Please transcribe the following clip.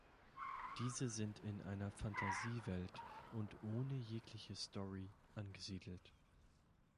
Diese sind in einer Fantasiewelt und ohne jegliche Story angesiedelt.